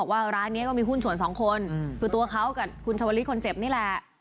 ว่าร้านนี้ก็มีหุ้นส่วนสองคนคือตัวเขากับคุณชาวลิศคนเจ็บนี่แหละ